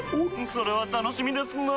それは楽しみですなぁ。